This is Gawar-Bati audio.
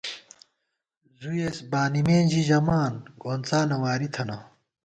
زُوئیس بانِمېن ژی ژَمان ، گونڅانہ واری تھنہ